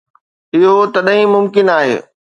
اهو تڏهن ئي ممڪن آهي.